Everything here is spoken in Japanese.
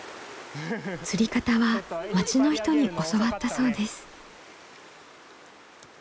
釣り方は町の人に教わったそうです。